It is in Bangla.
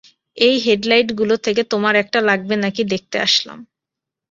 এই হেডলাইটগুলো থেকে তোমার একটা লাগবে নাকি দেখতে আসলাম।